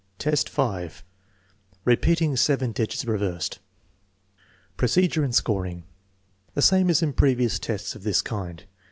Superior adult, 5 : repeating seven digits reversed Procedure and Scoring, the same as in previous tests of this kind.